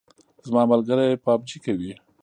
زما ملګری پابجي کوي